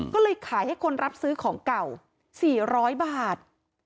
ก็เลยขายให้คนรับซื้อของเก่า๔๐๐บาท